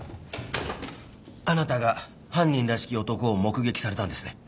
あなたが犯人らしき男を目撃されたんですね？